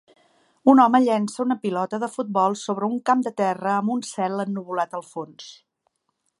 Un home llença una pilota de futbol sobre un camp de terra amb un cel ennuvolat al fons.